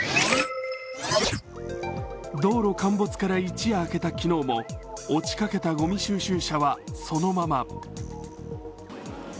道路陥没から一夜明けた昨日も落ちかけたごみ収集車はそのまま。